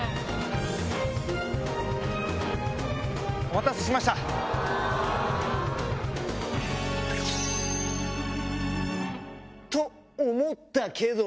お待たせしました。と思ったけど。